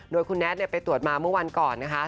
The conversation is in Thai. โดยคุณแน็ตไปตรวจมาเมื่อวันก่อนนะคะ